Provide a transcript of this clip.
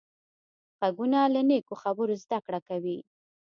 غوږونه له نیکو خبرو زده کړه کوي